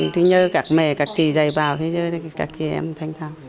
thì nhờ các mẹ các chị dạy vào thì nhờ các chị em thành thảo